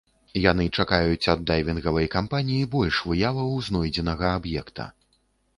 Яны чакаюць ад дайвінгавай кампаніі больш выяваў знойдзенага аб'екта.